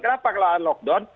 kenapa kelahan lockdown